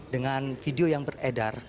dengan video yang beredar